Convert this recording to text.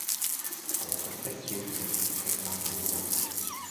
台上的少女同聖誕老人